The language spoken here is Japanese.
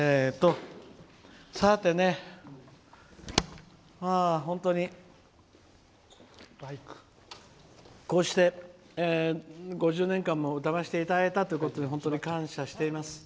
さて、本当にこうして５０年間も歌わせていただいたということで本当に感謝しています。